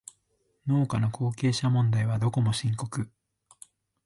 農家の後継者問題はどこも深刻